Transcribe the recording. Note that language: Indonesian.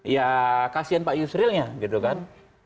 ya kasian pak yusrilnya gitu kan